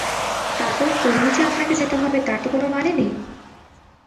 তারপর পুরীই যে আপনাকে যেতে হবে তার তো কোনো মানে নেই?